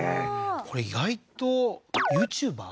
これ意外とＹｏｕＴｕｂｅｒ？